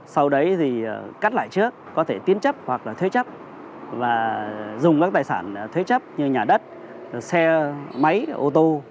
sau đấy thì cắt lãi trước có thể tiến chấp hoặc là thuê chấp và dùng các tài sản thuê chấp như nhà đất xe máy ô tô